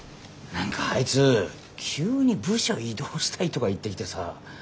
何かあいつ急に部署異動したいとか言ってきてさ。